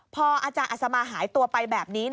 พออาจารย์อัศมาหายตัวไปแบบนี้